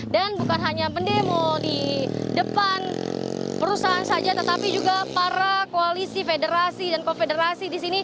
dan bukan hanya pendemo di depan perusahaan saja tetapi juga para koalisi federasi dan ko federasi disini